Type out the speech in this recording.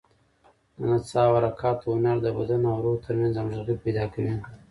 د نڅا او حرکاتو هنر د بدن او روح تر منځ همغږي پیدا کوي.